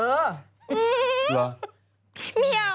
พี่เมียว